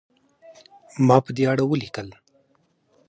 ما په دې اړه ولیکل.